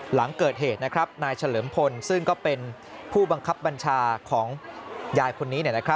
หลังเกิดเหตุนายเฉลิมพลซึ่งก็เป็นผู้บังคับบัญชาของยายคนนี้